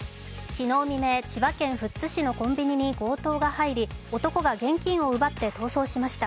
昨日未明、千葉県富津市のコンビニに強盗が入り男が現金を奪って逃走しました。